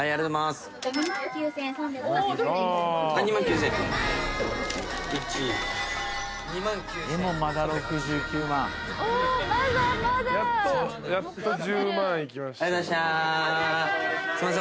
すいません。